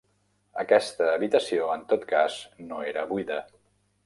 Aquesta habitació, en tot cas, no era buida.